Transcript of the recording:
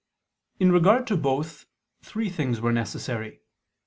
In regard to both, three things were necessary.